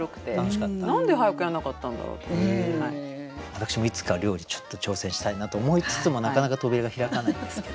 私もいつか料理ちょっと挑戦したいなと思いつつもなかなか扉が開かないんですけど。